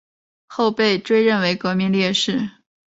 后被追认为革命烈士。